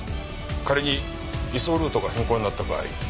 仮に移送ルートが変更になった場合